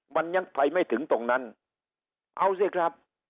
มันยังไปไม่ถึงตรงนั้นเอาสิครับ